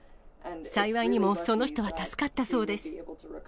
幸いにもその人は助かったそうです。